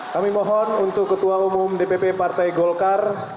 kami ingin meminta ketua umum dpp partai golkar